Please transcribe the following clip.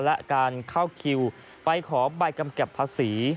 และการเข้าคิวไปขอใบกำกับภาษี